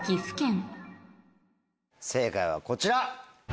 正解はこちら！